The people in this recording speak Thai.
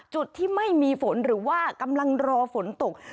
จุดที่ไม่มีฝนหรือว่ากำลังรอฝนตก